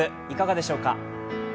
いかがでしょうか？